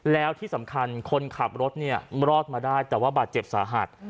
แล้วที่สำคัญคนขับรถเนี่ยรอดมาได้แต่ว่าบาดเจ็บสาหัส